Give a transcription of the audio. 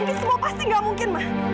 ini semua pasti enggak mungkin ma